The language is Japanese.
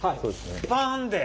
パン！で。